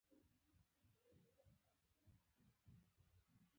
سپین والې ښکلا نه ده او تور رنګ بد رنګي نه ده.